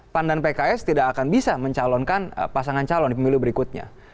pan dan pks tidak akan bisa mencalonkan pasangan calon di pemilu berikutnya